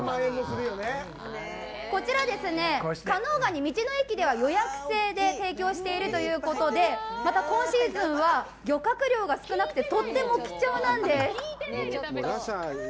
こちら、加能ガニ、道の駅では予約制で提供しているということで、また、今シーズンは漁獲量が少なくてとっても貴重なんです。